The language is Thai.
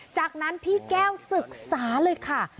จากนั้นพี่แก้วศึกษาเลยค่ะ